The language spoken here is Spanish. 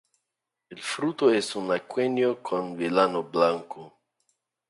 El fruto es un aquenio con vilano blanco.